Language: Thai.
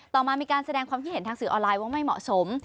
ต่อมามีการแสดงความคิดเห็นทางสื่อออนไลน์ว่าไม่เหมาะสม